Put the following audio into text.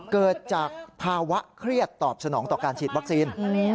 เกิดจากภาวะเครียดตอบสนองต่อการฉีดวัคซีน